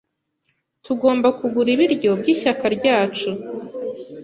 Tugomba kugura ibiryo by'ishyaka ryacu.